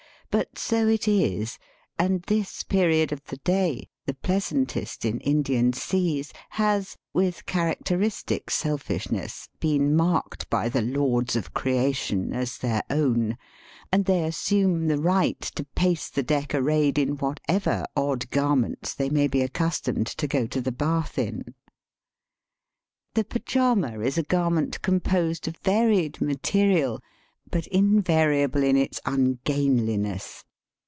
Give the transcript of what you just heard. But so it is; and this period of the day, the pleasantest in Indian seas, has, with characteristic selfishness, been marked by the lords of creation as their own, and they assume the right to pace the deck arrayed in whatever odd garments they may be accustomed to go to the bath in. The pyjama is a garment composed of varied material, but invariable in its ungainli Digitized by VjOOQIC 142 EAST BY WEST. ness.